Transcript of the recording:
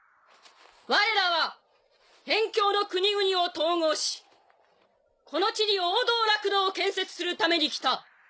われらは辺境の国々を統合しこの地に王道楽土を建設するために来た。